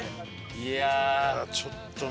いやあちょっとな。